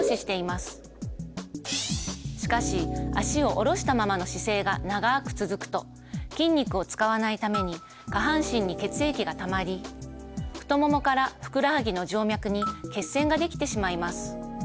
しかし脚を下ろしたままの姿勢が長く続くと筋肉を使わないために下半身に血液がたまり太ももからふくらはぎの静脈に血栓ができてしまいます。